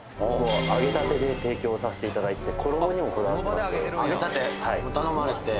揚げたてで提供させていただいてて衣にもこだわってまして揚げたて？